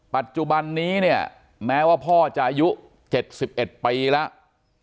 ปัจจุบันนี้เนี่ยแม้ว่าพ่อจะอายุ๗๑ปีแล้ว